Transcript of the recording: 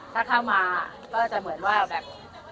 ถ้าเข้ามาก็จะเหมือนว่าแบบ